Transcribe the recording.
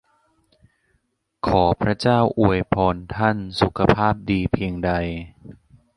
ขอพระเจ้าอวยพรท่านสุขภาพดีเพียงใด!